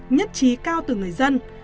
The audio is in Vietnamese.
nhất trí cao từ người dân